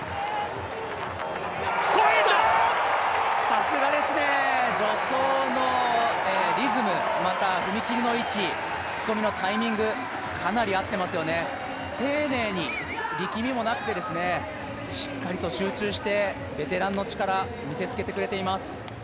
さすがですね、助走のリズム、また踏み切りの位置、突っ込みのタイミング、かなり合っていますよね、丁寧に力みもなくて、しっかりと集中してベテランの力、見せつけてくれています。